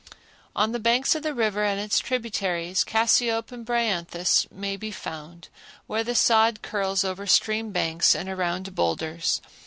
On the banks of the river and its tributaries cassiope and bryanthus may be found, where the sod curls over stream banks and around boulders.